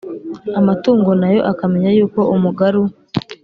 amatungo na yo akamenya yuko umugaru